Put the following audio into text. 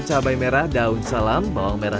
cabai merah daun salam bawang merah